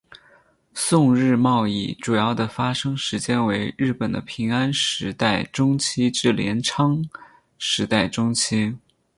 宋日贸易主要的发生时间为日本的平安时代中期至镰仓时代中期。